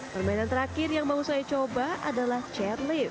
permainan terakhir yang mau saya coba adalah chairlift